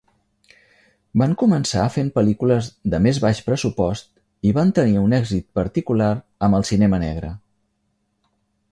Van començar fent pel·lícules de més baix pressupost i van tenir un èxit particular amb el cinema negre.